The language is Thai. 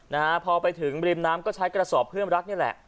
นะฮะพอไปถึงริมน้ำก็ใช้กระสอบเพื่อนรักนี่แหละ